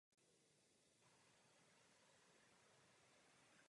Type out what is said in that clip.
Od pěti let studoval němčinu jako svůj mateřský jazyk.